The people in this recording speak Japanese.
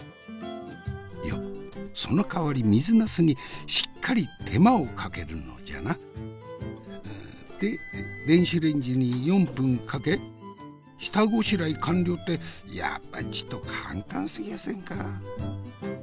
いやそのかわり水ナスにしっかり手間をかけるのじゃな？って電子レンジに４分かけ下ごしらえ完了ってやっぱりちと簡単すぎはせんか？